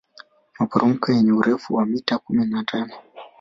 maporomoko yenye urefu wa mita kumi na tano